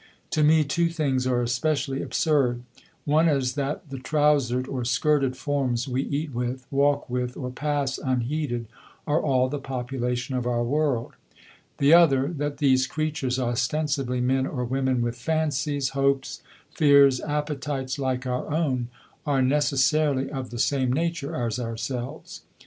To me two things are especially absurd: one is that the trousered, or skirted, forms we eat with, walk with, or pass unheeded, are all the population of our world; the other, that these creatures, ostensibly men or women with fancies, hopes, fears, appetites like our own, are necessarily of the same nature as ourselves.